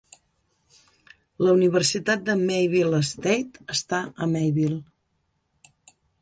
La Universitat de Mayville State està a Mayville.